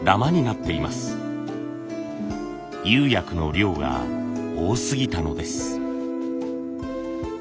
釉薬の量が多すぎたのです。